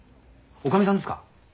おかみさんですか？